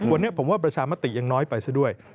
วันนี้ผมว่าประชามติยังน้อยไปซะด้วย